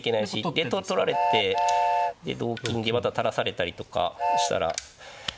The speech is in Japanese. で取られてで同金でまた垂らされたりとかしたら何か。